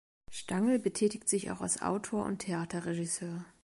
Stangl betätigt sich auch als Autor und Theaterregisseur.